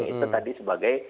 itu tadi sebagai